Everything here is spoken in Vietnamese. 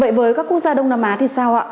vậy với các quốc gia đông nam á thì sao ạ